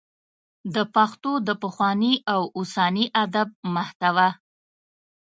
د پښتو د پخواني او اوسني ادب محتوا